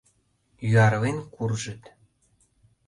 Юарлен куржыт.